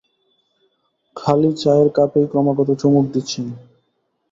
খালি চায়ের কাপেই ক্রমাগত চুমুক দিচ্ছেন।